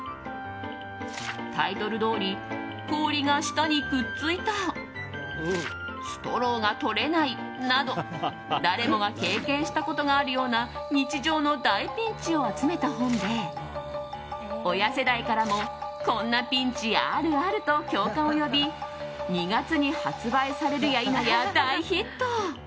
タイトルどおり氷が舌にくっついたストローが取れないなど誰もが経験したことがあるような日常の大ピンチを集めた本で親世代からもこんなピンチあるあると共感を呼び２月に発売されるや否や大ヒット。